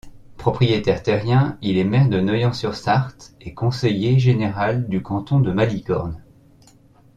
Propriétaire terrien, il est maire de Noyen-sur-Sarthe et conseiller général du canton de Malicorne.